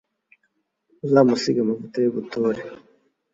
uzamusige amavuta y'ubutore